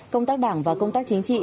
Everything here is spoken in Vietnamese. công tác đảng và công tác chính trị